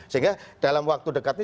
sehingga dalam waktu dekat ini